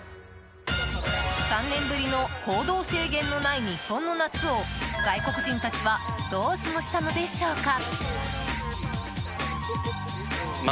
３年ぶりの行動制限のない日本の夏を外国人たちはどう過ごしたのでしょうか。